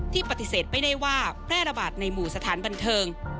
ปฏิเสธไม่ได้ว่าแพร่ระบาดในหมู่สถานบันเทิง